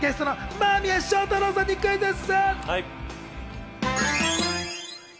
間宮祥太朗さんにクイズッス！